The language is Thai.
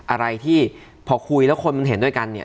อะไรที่พอคุยแล้วคนมันเห็นด้วยกันเนี่ย